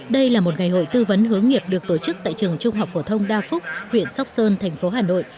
đây là một ngày hội tư vấn hướng nghiệp được tổ chức tại trường trung học phổ thông đa phúc huyện sóc sơn thành phố hà nội